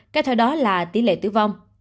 kết thúc đó là tỷ lệ tử vong